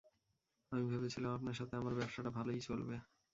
আমি ভেবেছিলাম আপনার সাথে আমার ব্যাবসাটা ভালোই চলবে।